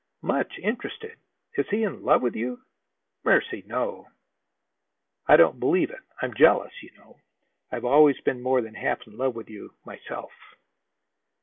"Much interested! Is he in love with you?" "Mercy, no!" "I don't believe it. I'm jealous. You know, I've always been more than half in love with you myself!"